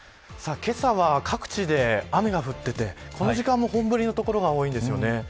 今朝は各地で雨が降っていて、この時間も本降りの所が多いですよね。